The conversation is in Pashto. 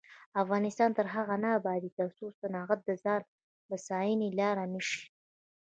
افغانستان تر هغو نه ابادیږي، ترڅو صنعت د ځان بسیاینې لاره نشي.